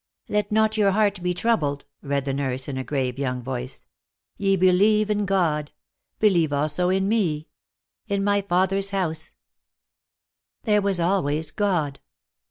"Let not your heart be troubled," read the nurse, in a grave young voice. "Ye believe in God. Believe also in Me. In my Father's house " There was always God.